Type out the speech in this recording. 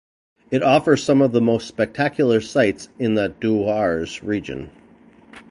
It offers some of the most spectacular sights in the Dooars region.